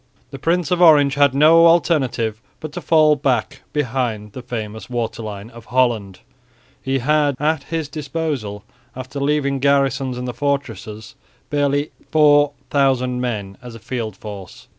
The Prince of Orange had no alternative but to fall back behind the famous waterline of Holland. He had at his disposal, after leaving garrisons in the fortresses, barely 4000 men as a field force.